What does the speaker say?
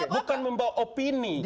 bukan membawa opini